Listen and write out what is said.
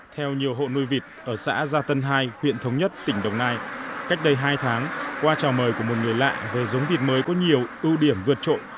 theo nhiều hộ nuôi vịt ở xã gia tân hai huyện thống nhất tỉnh đồng nai cách đây hai tháng qua trò mời của một người lạ về giống vịt mới có nhiều ưu điểm vượt trội